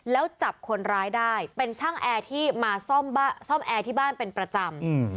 แล้วจับคนร้ายได้เป็นช่างแอร์ที่มาซ่อมแอร์ที่บ้านเป็นประจำ